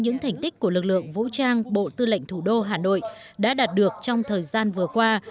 những thành tích của lực lượng vũ trang bộ tư lệnh thủ đô hà nội đã đạt được trong thời gian vừa qua